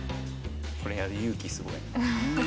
これやる勇気すごい。